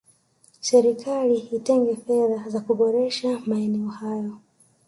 serikali itenge fedha za kuboresha maene hayo